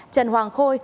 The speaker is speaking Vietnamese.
trần hoàng khôi